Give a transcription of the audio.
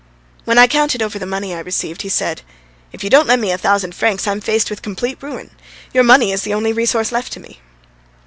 When I counted over the money I received he said: "If you don't lend me a thousand francs, I am faced with complete ruin. Your money is the only resource left to me."